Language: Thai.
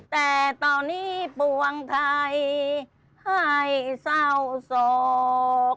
แต่ตอนนี้ปวงไทยให้เศร้าโศก